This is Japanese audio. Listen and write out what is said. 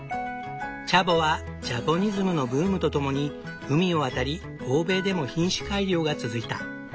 チャボはジャポニズムのブームとともに海を渡り欧米でも品種改良が続いた。